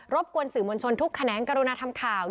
รบกวนสื่อมนชนทุกคะแนนกรณะทำข่าว